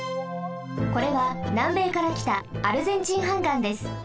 これはなんべいからきたアルゼンチン斑岩です。